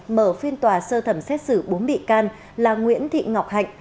mở phiên tòa sơ thẩm xét xử bốn bị can là nguyễn thị ngọc hạnh